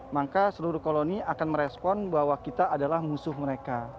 maka seluruh koloni akan merespon bahwa kita adalah musuh mereka